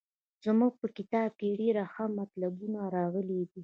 زموږ په کتاب کې ډېر ښه مطلبونه راغلي دي.